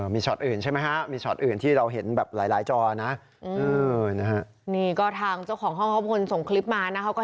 มีชอตอื่นที่เราเห็นบรรยายช่องจอน่ะ